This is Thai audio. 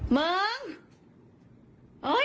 มึง